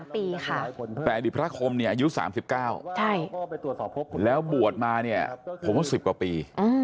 ๓ปีค่ะแปดอีกพระคมอายุ๓๙แล้วบวชมาผมว่า๑๐กว่าปี